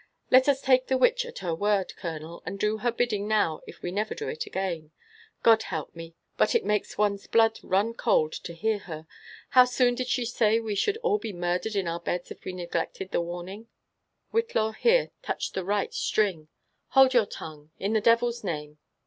Let us take the witch at her word, colonel, and do her bidding now if we never do it again. God help me! but it makes one's blood run cold to hear her ! How soon did she say we should all be murdered in our beds if we neglected the warning?" ' Whitlaw here touched the right siring. '' Hold your tongue, in the devil's name